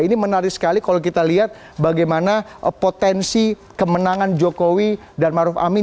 ini menarik sekali kalau kita lihat bagaimana potensi kemenangan jokowi dan maruf amin